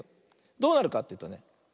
どうなるかっていうとね。